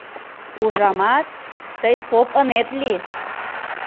Ужамат, тый поп ынет лий!